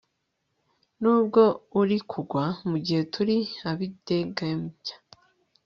nubwo uri kugwa, mugihe turi abidegemvya